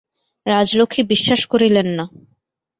রাজলক্ষ্মী বিশ্বাস করিলেন না।